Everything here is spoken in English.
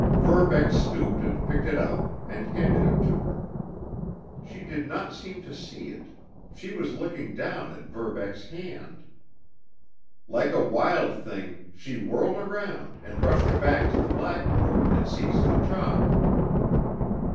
Verbeck stooped and picked it up, and handed it to her. She did not seem to see it—she was looking down at Verbeck's hand. Like a wild thing, she whirled around and rushed back to the blackboard and seized the chalk.